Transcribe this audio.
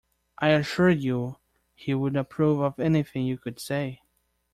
I assure you he would approve of anything you could say.